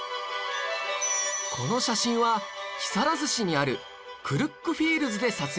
この写真は木更津市にあるクルックフィールズで撮影されたもの